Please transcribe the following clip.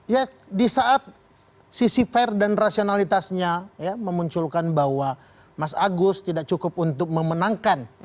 ya di saat sisi fair dan rasionalitasnya ya memunculkan bahwa mas agus tidak cukup untuk memenangkan